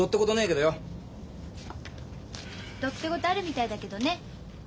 どってことあるみたいだけどね。